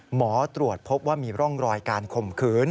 หมอตรวจพบว่ามีร่องรอยการข่มขืน